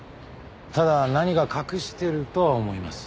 ただ何か隠してるとは思います。